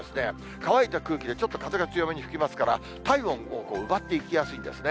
乾いた空気でちょっと風が強めに吹きますから、体温を奪っていきやすいんですね。